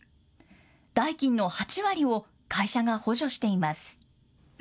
代金の８割を会社が補助しています。